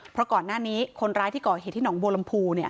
เพราะก่อนหน้านี้คนร้ายที่ก่อเหตุที่หนองบัวลำพู